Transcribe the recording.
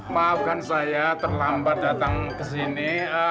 maafkan saya terlambat datang ke sini